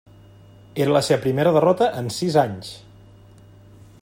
Era la seva primera derrota en sis anys.